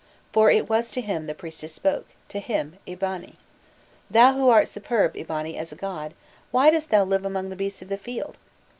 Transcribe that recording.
For it was to him the priestess spoke to him, Eabani. "Thou who art superb, Eabani, as a god, why dost thou live among the beasts of the field?